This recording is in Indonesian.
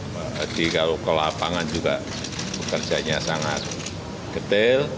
pak hedi kalau ke lapangan juga pekerjanya sangat ketil